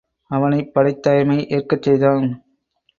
அவனைப் படைத் தலைமை ஏற்கச் செய்தான்.